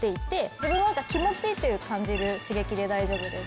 自分の中で気持ちいいって感じる刺激で大丈夫です。